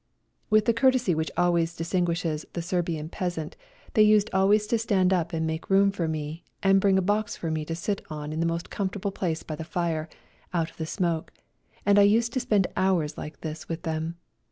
With the courtesy which always dis tinguishes the Serbian peasant, they used always to stand up and make room for me, and bring a box for me to sit on in the most comfortable place by the fire, out of the smoke, and I used to spend hours like this with them.